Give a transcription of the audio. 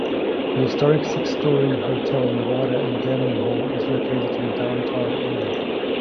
The historic six-story Hotel Nevada and Gambling Hall is located in downtown Ely.